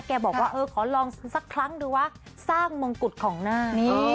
บอกว่าเออขอลองสักครั้งดูว่าสร้างมงกุฎของหน้า